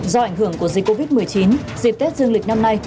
do ảnh hưởng của dịch covid một mươi chín dịp tết dương lịch năm nay